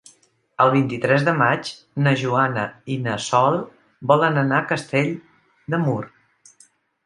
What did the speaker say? El vint-i-tres de maig na Joana i na Sol volen anar a Castell de Mur.